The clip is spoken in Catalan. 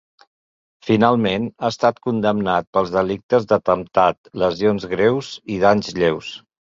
Finalment, ha estat condemnat pels delictes d’atemptat, lesions lleus i danys lleus.